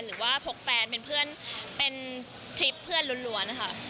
พกแฟนเป็นเพื่อนเป็นทริปเพื่อนล้วนค่ะ